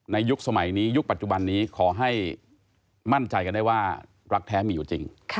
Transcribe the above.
ยุคสมัยนี้ยุคปัจจุบันนี้ขอให้มั่นใจกันได้ว่ารักแท้มีอยู่จริง